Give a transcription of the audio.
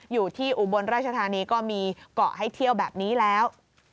อุบลราชธานีก็มีเกาะให้เที่ยวแบบนี้แล้ว